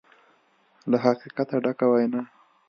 له حقیقته ډکه وینا